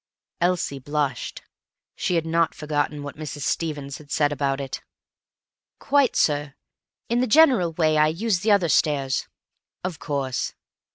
Elsie blushed. She had not forgotten what Mrs. Stevens had said about it. "Quite, sir. In the general way I use the other stairs." "Of course."